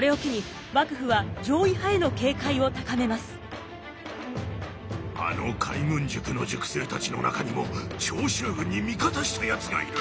これを機にあの海軍塾の塾生たちの中にも長州軍に味方したやつがいる。